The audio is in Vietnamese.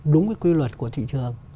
đúng cái quy luật của thị trường